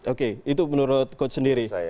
oke itu menurut coach sendiri